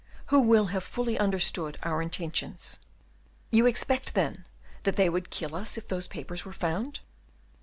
Who will have fully understood our intentions?" "You expect, then, that they would kill us if those papers were found?"